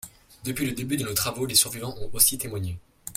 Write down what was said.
» Depuis le début de nos travaux, les survivantes ont aussi témoigné.